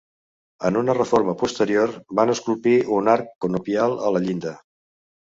En una reforma posterior van esculpir un arc conopial a la llinda.